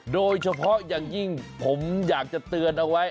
โดยเฉพาะอย่างยิ่งผมอยากจะเตือนเอาไว้